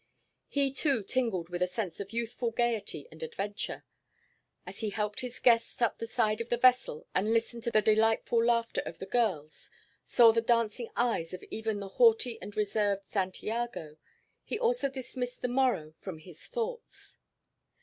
He too tingled with a sense of youthful gaiety and adventure. As he helped his guests up the side of the vessel and listened to the delightful laughter of the girls, saw the dancing eyes of even the haughty and reserved Santiago, he also dismissed the morrow from his thoughts.